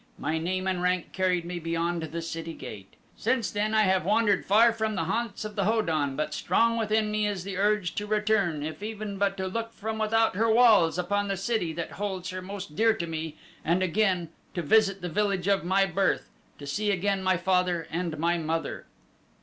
My name and rank carried me beyond the city gate. Since then I have wandered far from the haunts of the Ho don but strong within me is the urge to return if even but to look from without her walls upon the city that holds her most dear to me and again to visit the village of my birth, to see again my father and my mother."